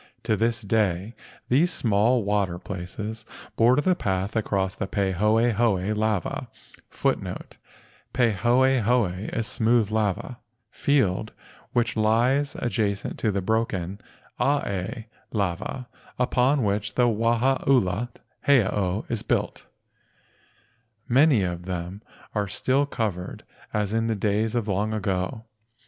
To this day these small water places border the path across the pahoehoe * lava field which lies adjacent to the broken a a f lava upon which the Wahaula heiau is built. Many of them are still covered as in the days of the long ago.